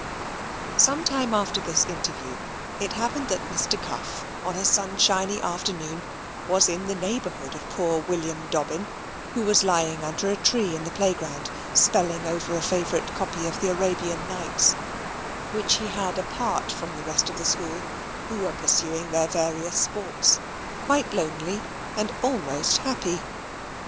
Some time after this interview, it happened that Mr. Cuff, on a sunshiny afternoon, was in the neighbourhood of poor William Dobbin, who was lying under a tree in the playground, spelling over a favourite copy of the Arabian Nights which he had apart from the rest of the school, who were pursuing their various sports quite lonely, and almost happy.